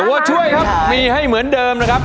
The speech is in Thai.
ตัวช่วยครับมีให้เหมือนเดิมนะครับ